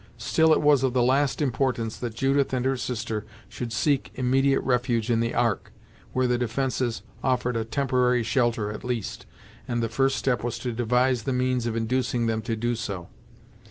Still it was of the last importance that Judith and her sister should seek immediate refuge in the Ark, where the defences offered a temporary shelter at least, and the first step was to devise the means of inducing them to do so.